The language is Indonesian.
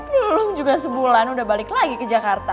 belum juga sebulan udah balik lagi ke jakarta